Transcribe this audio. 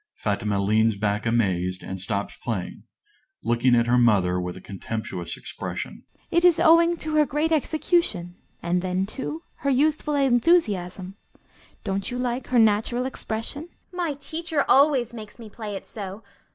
"_) (Fatima leans back amazed, and stops playing, looking at her mother with a contemptuous expression.) AUNT. It is owing to her great execution, and then, too, her youthful enthusiasm. Don't you like her natural expression? FATIMA. My teacher always makes me play it so.